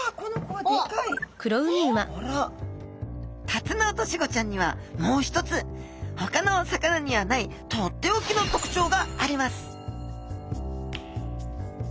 タツノオトシゴちゃんにはもう一つほかのお魚にはないとっておきの特徴があります